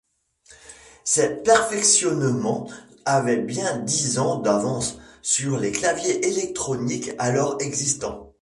Ces perfectionnements avaient bien dix ans d'avance sur les claviers électroniques alors existants.